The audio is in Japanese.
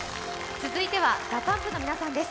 続いては、ＤＡＰＵＭＰの皆さんです。